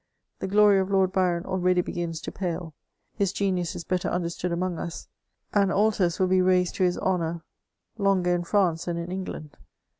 The glory of Lord Byron already begins to pale ; his genius is better understood among us; and altars will be raised to his honour longer in France than in England.